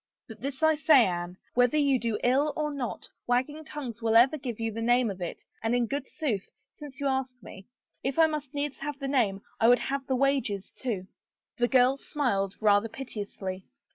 But this I say, Anne, whether you do ill or not, wagging tongues will ever give you the name of it, and in good sooth, since you ask me, if I must needs have the name I would have the wages, too." The girl smiled, rather piteously.